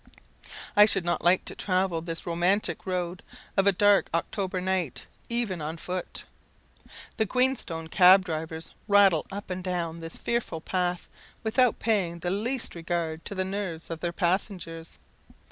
I should not like to travel this romantic road of a dark October night, even on foot. The Queenstone cab drivers rattle up and down this fearful path without paying the least regard to the nerves of their passengers.